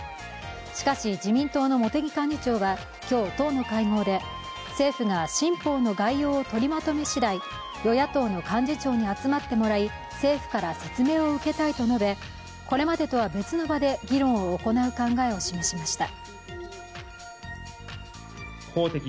しかし、自民党の茂木幹事長は、今日、党の会合で政府が新法の概要を取りまとめ次第、与野党の幹事長に集まってもらい政府から説明を受けたいと述べこれまでとは別の場で議論を行う考えを示しました。